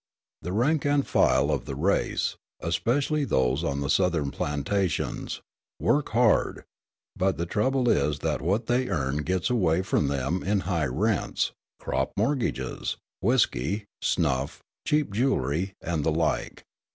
The rank and file of the race, especially those on the Southern plantations, work hard; but the trouble is that what they earn gets away from them in high rents, crop mortgages, whiskey, snuff, cheap jewelry, and the like.